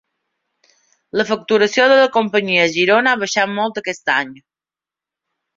La facturació de la companyia a Girona ha baixat molt aquest any